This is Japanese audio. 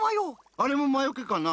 あれもまよけかな？